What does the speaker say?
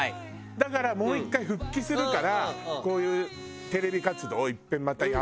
だからもう１回復帰するからこういうテレビ活動をいっぺんまたやめるってなって。